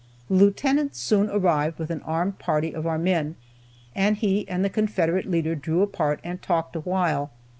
The Lieutenant soon arrived with an armed party of our men, and he and the Confederate leader drew apart and talked awhile.